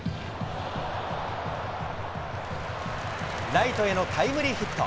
ライトへのタイムリーヒット。